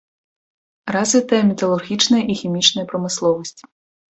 Развітая металургічная і хімічная прамысловасць.